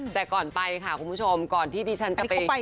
แต่ก่อนไปค่ะคุณผู้ชมก่อนที่ดิฉันจะไป